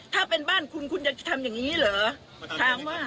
ถ้าเป็นบ้านคุณคุณจะทำอย่างนี้เหรอ